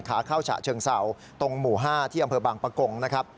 ขาเข้าฉะเชิงเศร้าตรงหมู่๕ที่อำเภอบางปะกงนะครับ